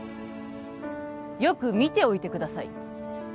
よく見ておいてください